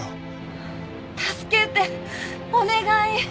助けてお願い！